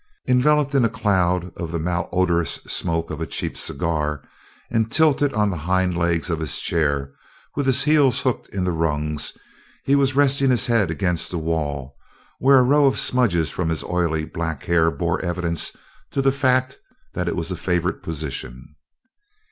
Enveloped in a cloud of the malodorous smoke of a cheap cigar and tilted on the hind legs of his chair with his heels hooked in the rungs, he was resting his head against the wall where a row of smudges from his oily black hair bore evidence to the fact that it was a favorite position.